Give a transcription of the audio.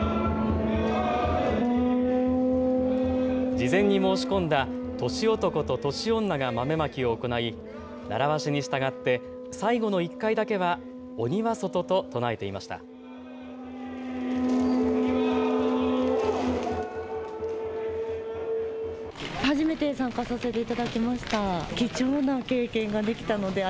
事前に申し込んだ年男と年女が豆まきを行い、習わしに従って最後の１回だけは鬼は外と唱えていました。